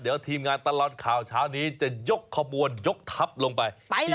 เดี๋ยวทีมงานตลอดข่าวเช้านี้จะยกขบวนยกทัพลงไป